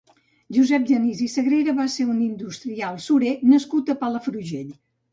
Josep Genís i Sagrera va ser un industrial surer nascut a Palafrugell.